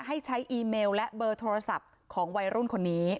ให้ใช้อีเมลและเบอร์โทรศัพท์ของวัยรุ่นคนนี้